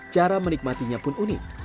cara menikmatinya pun unik